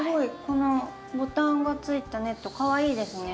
このボタンがついたネットかわいいですね。